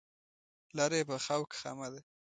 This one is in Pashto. لاره یې پخه او که خامه ده.